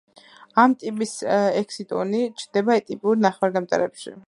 ამ ტიპის ექსიტონი ჩნდება ტიპიურ ნახევარგამტარებში.